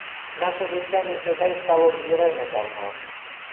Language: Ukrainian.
Наше життя між людей стало звірине давно.